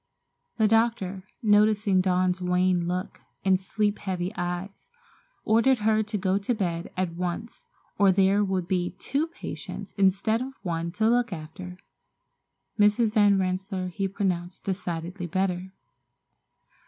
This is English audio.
The doctor, noticing Dawn's wan look and sleep heavy eyes, ordered her to go to bed at once or there would be two patients instead of one to look after. Mrs. Van Rensselaer he pronounced decidedly better.